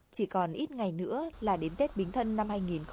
chỉ còn ít ngày nữa là đến tết bình thân năm hai nghìn một mươi sáu